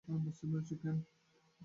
বুঝতে পেরেছো, ক্যাম?